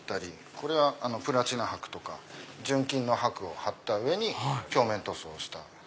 これはプラチナ箔とか純金の箔を貼った上に鏡面塗装をした。